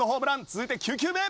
続いて９球目。